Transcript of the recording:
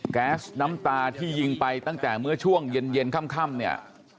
แก๊สน้ำตาที่ยิงไปตั้งแต่เมื่อช่วงเย็นค่ำเนี่ย